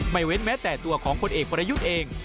เว้นแม้แต่ตัวของพลเอกประยุทธ์เอง